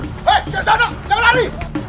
hei kisanak jangan lari